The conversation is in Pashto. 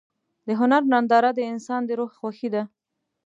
د هنر ننداره د انسان د روح خوښي ده.